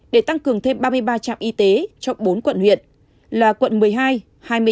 để tăng cường thêm ba mươi ba trạm y tế cho bốn quận huyện là quận một mươi hai hai mươi sáu